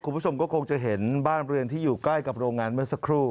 คุณผู้ชมก็คงจะเห็นบ้านเรือนที่อยู่ใกล้กับโรงงานเมื่อสักครู่